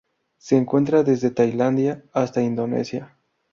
Se encuentra desde Tailandia hasta Indonesia.